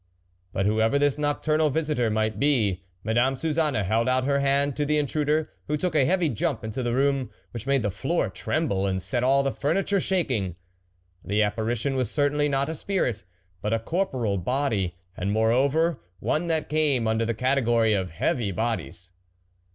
But whoever this nocturnal visitor might be, Madame Suzanne held out her hand to the intruder, who took a heavy jump into the room, which made the floor tremble and set all the furniture shaking. The apparition was certainly not a spirit, but a corporeal body, and moreover one that came under the category of heavy bodies.